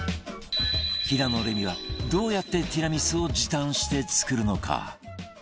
平野レミはどうやってティラミスを時短して作るのか？